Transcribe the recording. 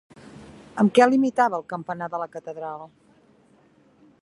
Amb què limitava el campanar de la catedral?